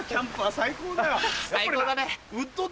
最高だね！